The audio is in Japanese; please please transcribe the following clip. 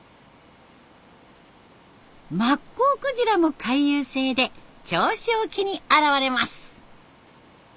マッコウクジラも回遊性で銚子沖に現れます。